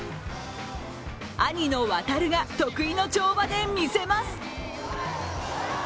兄の航が得意の跳馬で見せます。